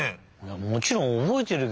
もちろんおぼえてるけど。